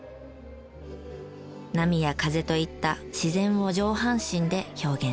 波や風といった自然を上半身で表現します。